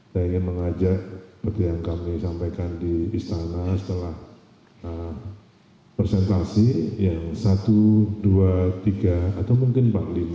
saya ingin mengajak seperti yang kami sampaikan di istana setelah presentasi yang satu dua tiga atau mungkin empat puluh lima